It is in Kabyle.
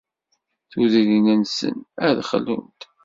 Tudrin-nsen ad xlunt.